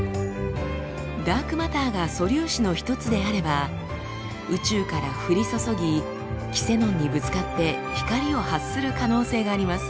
ダークマターが素粒子の一つであれば宇宙から降り注ぎキセノンにぶつかって光を発する可能性があります。